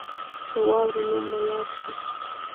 د واورې نوم به یاد سي.